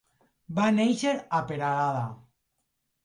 Va néixer a Perelada.